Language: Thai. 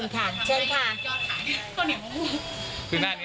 คำคุณค่าเช่นค่ะ